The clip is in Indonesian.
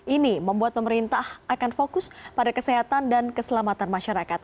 ini membuat pemerintah akan fokus pada kesehatan dan keselamatan masyarakat